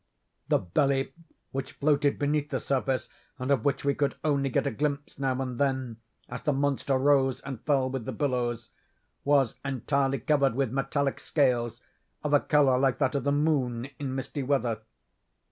The belly, which floated beneath the surface, and of which we could get only a glimpse now and then as the monster rose and fell with the billows, was entirely covered with metallic scales, of a color like that of the moon in misty weather.